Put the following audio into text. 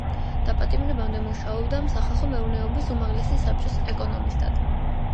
დაპატიმრებამდე მუშაობდა სახალხო მეურნეობის უმაღლესი საბჭოს ეკონომისტად.